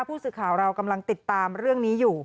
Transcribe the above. ผู้สื่อข่าวเรากำลังติดตามเรื่องนี้อยู่